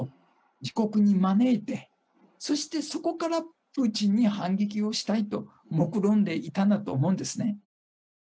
自国に招いて、そしてそこからプーチンに反撃をしたいともくろんでいたんだと思うんですね。